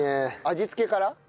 味付けから？